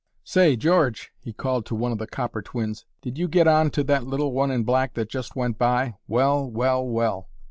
"Say, George!" he called to one of the 'copper twins,' "did you get on to that little one in black that just went by well! well!! well!!!